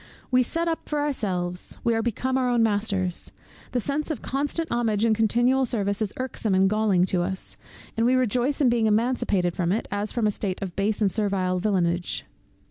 We set up for ourselves: we are become our own masters. The sense of constant homage and continual service is irksome and galling to us; and we rejoice in being emancipated from it, as from a state of base and servile villainage.